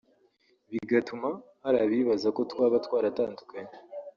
bigatuma hari abibaza ko twaba twaratandukanye